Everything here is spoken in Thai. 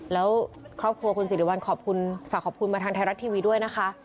แล้วครอบครัวคุณสิริวัลขอบคุณฝากขอบคุณมาทางไทยรัฐทีวีด้วยนะคะ